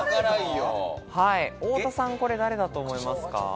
太田さん、これ誰だと思いますか？